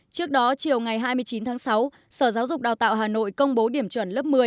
trước đó chiều ngày hai mươi chín tháng sáu sở giáo dục đào tạo hà nội công bố điểm chuẩn lớp một mươi